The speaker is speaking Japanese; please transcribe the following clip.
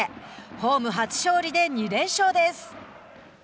ホーム初勝利で２連勝です。